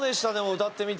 歌ってみて。